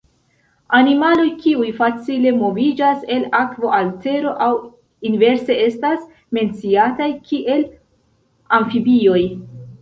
Animaloj kiuj facile moviĝas el akvo al tero aŭ inverse estas menciataj kiel amfibioj.